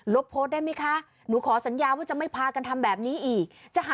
โพสต์ได้ไหมคะหนูขอสัญญาว่าจะไม่พากันทำแบบนี้อีก